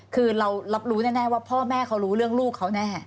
คือเรารับรู้แน่ว่าพ่อแม่เขารู้เรื่องลูกเขาแน่